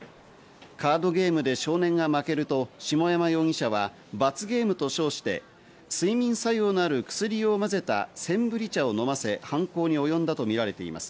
カードゲームで少年が負けると下山容疑者は罰ゲームと称して睡眠作用のある薬をまぜたセンブリ茶を飲ませ犯行におよんだとみられています。